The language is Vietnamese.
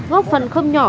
góp phần không nhỏ